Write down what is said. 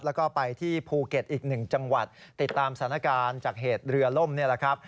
แล้วก็ไปที่ภูเก็ตอีกหนึ่งจังหวัดติดตามสถานการณ์จากเหตุเรือล่มนี่แหละครับ